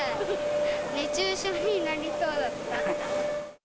熱中症になりそうだった。